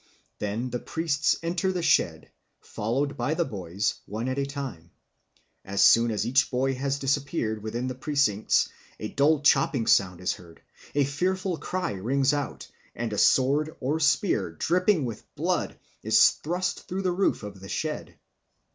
Then the priests enter the shed, followed by the boys, one at a time. As soon as each boy has disappeared within the precincts, a dull chopping sound is heard, a fearful cry rings out, and a sword or spear, dripping with blood, is thrust through the roof of the shed.